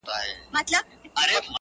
• او نه ختمېدونکی اثر لري ډېر..